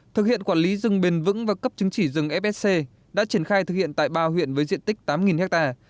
thực hiện quản lý rừng bền vững và cấp chứng chỉ rừng fsc đã triển khai thực hiện tại ba huyện với diện tích tám ha